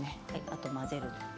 あと混ぜるだけ。